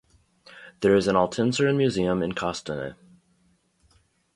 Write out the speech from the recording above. There is an Altynsarin museum in Kostanay.